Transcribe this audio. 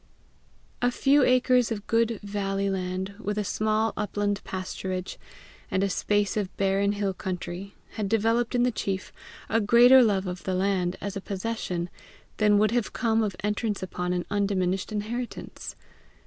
A few acres of good valley land, with a small upland pasturage, and a space of barren hill country, had developed in the chief a greater love of the land as a possession than would have come of entrance upon an undiminished inheritance.